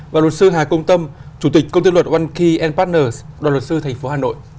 và luật sư hà công tâm chủ tịch công ty luật one key partners đoàn luật sư thành phố hà nội